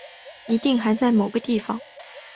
一定还在某个地方